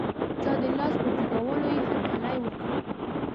چا د لاس په جګولو یې هر کلی وکړ.